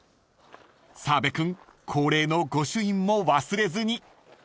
［澤部君恒例の御朱印も忘れずに］